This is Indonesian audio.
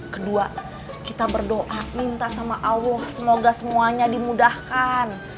kedua kita berdoa minta sama allah semoga semuanya dimudahkan